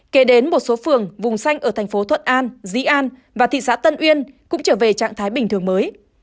kế đến một số phường vùng xanh ở thành phố thuận an dĩ an và thị xã tân uyên cũng trở về trạng thái bình thường mới